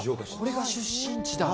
これが出身地だ。